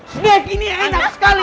snack ini enak sekali